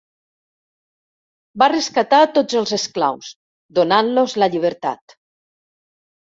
Va rescatar tots els esclaus donant-los la llibertat.